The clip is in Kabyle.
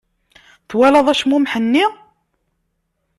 Twalaḍ acmumeḥ-nni?